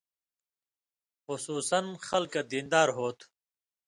خصوصاً خلکہ دین دار ہوں تھو